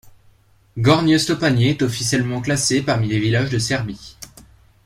Gornje Stopanje est officiellement classé parmi les villages de Serbie.